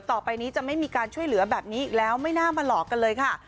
ต่อไปนี้จะไม่มีการช่วยเหลือแบบนี้อีกแล้วไม่น่ามาหลอกกันเลยค่ะ